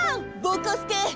ぼこすけ。